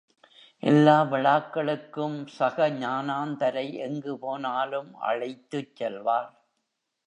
எல்லா விழாக்களுக்கும் சகஜானந்தரை எங்கு போனாலும் அழைத்துச் செல்வார்!